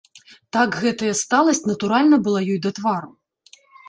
Так гэтая сталасць натуральна была ёй да твару.